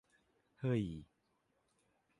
เฮ่ย